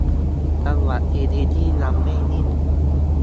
จังหวะชีวิตที่ยังไม่นิ่ง